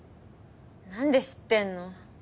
なんで知ってんの？